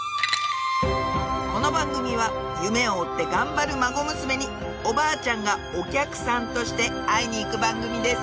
この番組は夢を追って頑張る孫娘におばあちゃんがお客さんとして会いに行く番組です